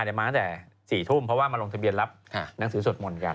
จะมาถึง๔ทุ่มเพราะว่ามาก็ลงทะเบียนรับนังสือสดหมวนกัน